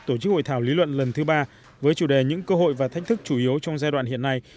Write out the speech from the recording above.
tổ chức hội thảo lý luận lần thứ ba với chủ đề những cơ hội và thách thức chủ yếu trong giai đoạn hiện nay